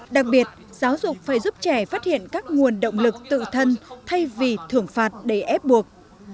đặc biệt giáo dục phải giúp trẻ phát hiện các nguồn động lực tự thân thay vì thưởng phạt để ép buộc